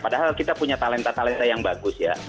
padahal kita punya talenta talenta yang bagus ya